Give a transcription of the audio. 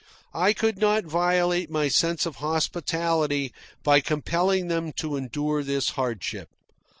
I could not violate my sense of hospitality by compelling them to endure this hardship.